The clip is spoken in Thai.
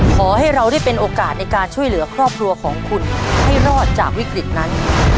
ขอให้เราได้เป็นโอกาสในการช่วยเหลือครอบครัวของคุณให้รอดจากวิกฤตนั้น